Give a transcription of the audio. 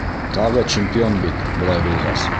Тағы чемпион бит, былай булғас!